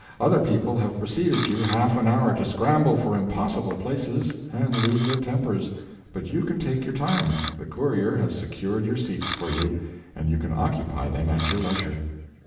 Other people have preceded you half an hour to scramble for impossible places and lose their tempers, but you can take your time; the courier has secured your seats for you, and you can occupy them at your leisure.